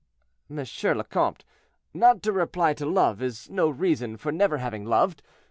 "M. le Comte, not to reply to love is no reason for never having loved.